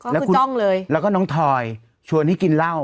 แล้วคุณต้องเลยแล้วก็น้องทอยชวนให้กินเหล้า